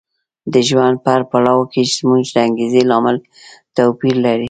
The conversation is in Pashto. د ژوند په هر پړاو کې زموږ د انګېزې لامل توپیر لري.